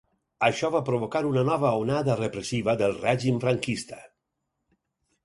Això va provocar una nova onada repressiva del règim franquista.